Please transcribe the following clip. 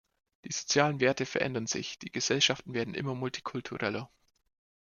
Die sozialen Werte verändern sich, die Gesellschaften werden immer multikultureller.